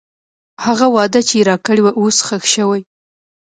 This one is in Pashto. هغه وعده چې راکړې وه، اوس ښخ شوې.